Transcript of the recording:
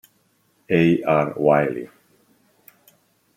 A. R. Wylie.